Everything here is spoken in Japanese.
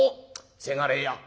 せがれや」。